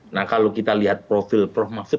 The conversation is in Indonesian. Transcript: nah kalau kita lihat profil prof mahfud